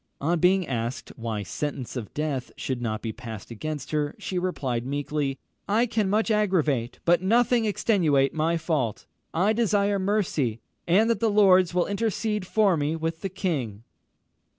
On being asked why sentence of death should not be passed against her, she replied meekly, "I can much aggravate, but nothing extenuate my fault. I desire mercy, and that the lords will intercede for me with the king."